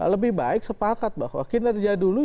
lebih baik sepakat bahwa kinerja dulu